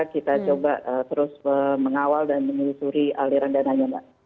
kita coba terus mengawal dan menelusuri aliran dananya mbak